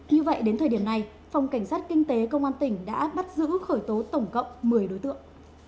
như vậy đến thời điểm này phòng cảnh sát kinh tế công an tỉnh đã bắt giữ khởi tố tổng cộng một mươi đối tượng